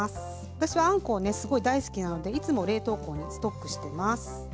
私はあんこをねすごい大好きなのでいつも冷凍庫にストックしてます。